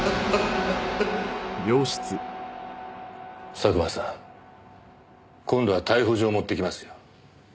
佐久間さん今度は逮捕状持ってきますよ。